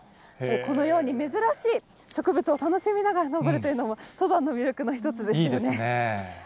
このように珍しい植物を楽しみながら登るというのも、いいですね。